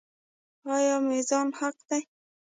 آیا میزان حق دی؟